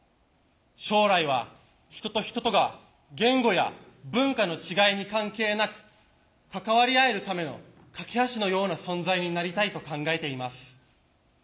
将来は人と人とが言語や文化の違いに関係なく関わり合えるための懸け橋のような存在になりたいと考えています。